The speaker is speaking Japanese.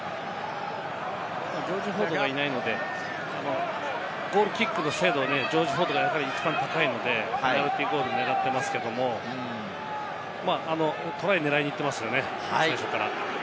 ジョージ・フォードがいないのでゴールキックの精度ね、ジョージ・フォードが一番高いのでペナルティーゴールを狙ってますけど、トライを狙いに行ってますね、最初から。